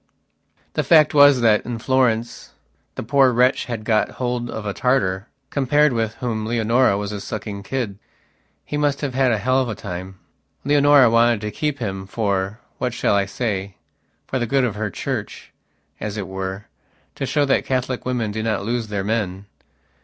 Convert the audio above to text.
The fact was that in Florence the poor wretch had got hold of a Tartar, compared with whom Leonora was a sucking kid. He must have had a hell of a time. Leonora wanted to keep him forwhat shall I sayfor the good of her church, as it were, to show that Catholic women do not lose their men.